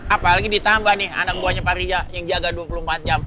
apalagi ditambah nih anak buahnya pak ria yang jaga dua puluh empat jam